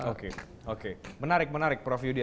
oke oke menarik menarik prof yudi